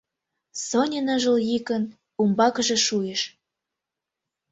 Соня ныжыл йӱкын умбакыже шуйыш: